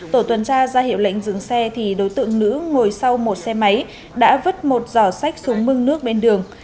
tổ tuần tra ra hiệu lệnh dừng xe thì đối tượng nữ ngồi sau một xe máy đã vứt một giỏ sách xuống mương nước bên đường